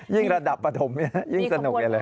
ยิ่งระดับประถมยิ่งสนุกกันเลย